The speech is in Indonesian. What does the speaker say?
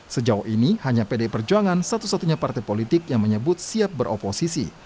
sejauh ini hanya pdi perjuangan satu satunya partai politik yang menyebut siap beroposisi